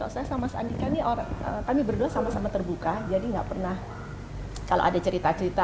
saya sama mas andika ini orang kami berdua sama sama terbuka jadi nggak pernah kalau ada cerita cerita